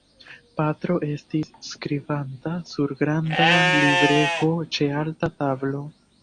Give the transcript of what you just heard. Patro estis skribanta sur granda librego ĉe alta tablo.